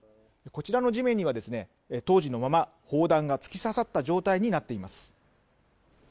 こちらの地面には当時のまま砲弾が突き刺さった状態になっています。